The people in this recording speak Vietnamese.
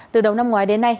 từ đầu năm ngoái đến nay